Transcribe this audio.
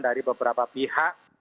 dari beberapa pihak